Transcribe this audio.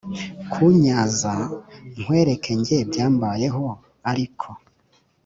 Kunyaza nkwereke nge byambayeho ariko